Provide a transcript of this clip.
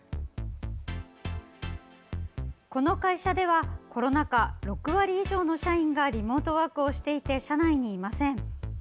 この会社ではコロナ禍、６割以上の社員がリモートワークをしていて社内にいません。